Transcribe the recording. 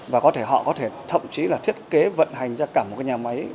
và họ có thể thậm chí là thiết kế vận hành ra cả một nhà máy